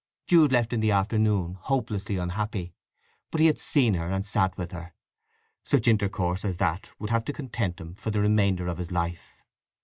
Jude left in the afternoon, hopelessly unhappy. But he had seen her, and sat with her. Such intercourse as that would have to content him for the remainder of his life.